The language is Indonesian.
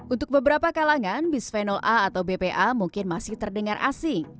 untuk beberapa kalangan bisphenol a atau bpa mungkin masih terdengar asing